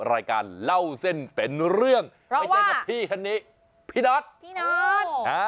รายการเล่าเส้นเป็นเรื่องไม่ใช่กับพี่คนนี้พี่นอท